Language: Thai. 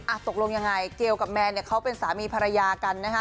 ตกลงยังไงเกลกับแมนเนี่ยเขาเป็นสามีภรรยากันนะฮะ